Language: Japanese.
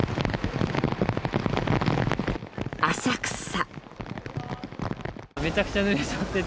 浅草。